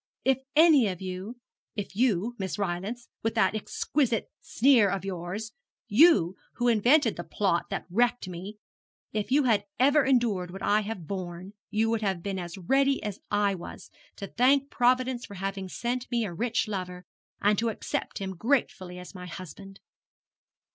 If any of you if you, Miss Rylance, with that exquisite sneer of yours, you who invented the plot that wrecked me if you had ever endured what I have borne, you would have been as ready as I was to thank Providence for having sent me a rich lover, and to accept him gratefully as my husband.'